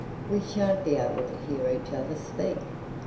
"We shan't be able to hear each other speak.